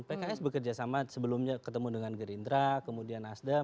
pks bekerja sama sebelumnya ketemu dengan gerindra kemudian nasdem